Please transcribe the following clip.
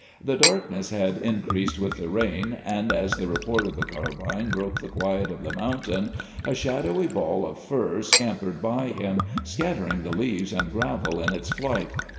The darkness had increased with the rain, and as the report of the carbine broke the quiet of the mountain a shadowy ball of fur scampered by him, scattering the leaves and gravel in its flight.